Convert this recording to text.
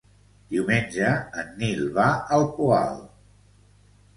Diumenge en Nil va al Poal.